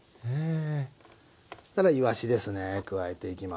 そしたらいわしですね加えていきます。